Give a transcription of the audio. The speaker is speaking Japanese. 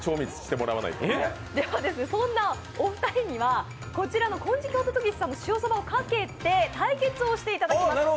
そんなお二人にはこちらの金色不如帰さんの塩そばをかけて対決をしていただきます。